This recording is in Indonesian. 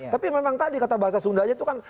tapi memang tadi kata bahasa sundanya itu kan